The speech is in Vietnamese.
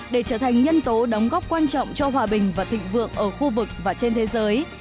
để trở thành nhân tố đóng góp quan trọng cho hòa bình và thịnh vượng ở khu vực và trên thế giới